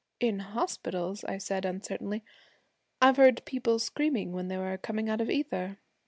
'In hospitals,' I said, uncertainly, 'I've heard people screaming when they were coming out of ether.'